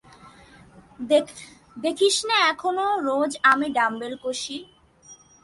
দেখছিসনে এখনও রোজ আমি ডামবেল কষি।